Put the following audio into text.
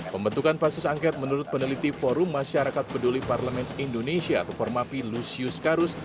pembentukan pansus angket menurut peneliti forum masyarakat peduli parlemen indonesia atau formapi lusius karus